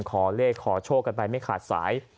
ขอเลขขอโชคกันไปไม่ขาดสาย